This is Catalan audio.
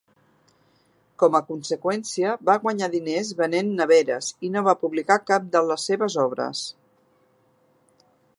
Com a conseqüència, va guanyar diners venent neveres, i no va publicar cap de les seves obres.